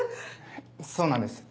そうなんです